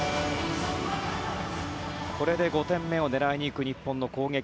これで５点目を狙いにいく日本の攻撃。